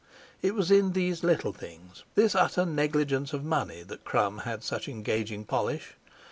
It was in these little things, this utter negligence of money that Crum had such engaging polish.